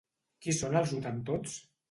Qui són els hotentots?